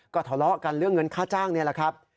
ก็ทะเลาะกันเรื่องเงินค่าจ้างนี่แหละครับ